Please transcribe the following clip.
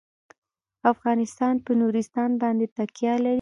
افغانستان په نورستان باندې تکیه لري.